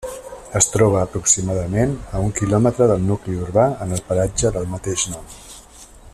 Es troba aproximadament a un quilòmetre del nucli urbà en el paratge del mateix nom.